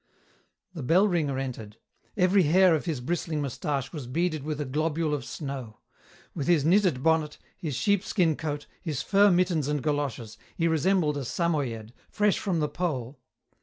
The bell ringer entered. Every hair of his bristling moustache was beaded with a globule of snow. With his knitted bonnet, his sheepskin coat, his fur mittens and goloshes, he resembled a Samoyed, fresh from the pole.